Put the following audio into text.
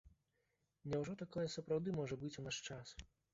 Няўжо такое сапраўды можа быць у наш час?